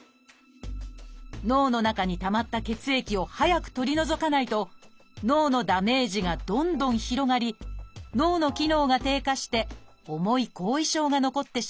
脳の中にたまった血液を早く取り除かないと脳のダメージがどんどん広がり脳の機能が低下して重い後遺症が残ってしまいます。